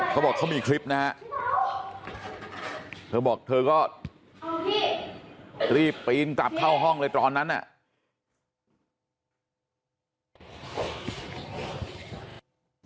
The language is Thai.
เขาบอกมีคลิปนะเธอบอกเธอก็รีบกระยิบรีบอินจับเข้าห้องเลยตอนนั้นน่ะ